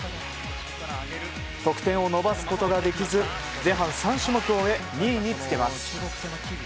得点を伸ばすことができず前半３種目を終え２位につけます。